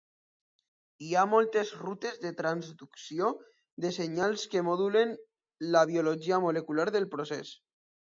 Hi ha moltes rutes de transducció de senyals que modulen la biologia molecular del procés.